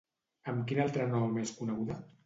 Amb quin altre nom és coneguda?